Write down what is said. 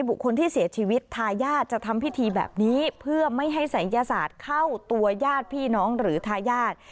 บุคคลที่เสียชีวิตทายาทจะทำพิธีแบบนี้เพื่อไม่ให้ศัยยศาสตร์เข้าตัวญาติพี่น้องหรือทายาท